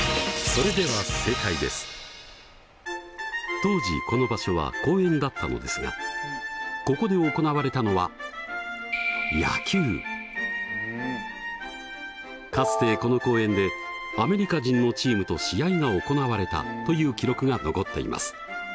当時この場所は公園だったのですがここで行われたのはかつてこの公園でアメリカ人のチームと試合が行われたという記録が残っています。